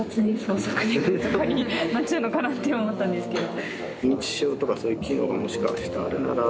なっちゃうのかなって今思ったんですけど。